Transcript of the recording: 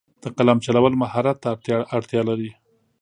د قلم چلول مهارت ته اړتیا لري.